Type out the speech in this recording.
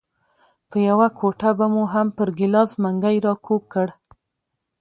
په یوه ګوته به مو هم پر ګیلاس منګی راکوږ کړ.